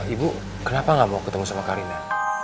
ibu kenapa gak mau ketemu sama karina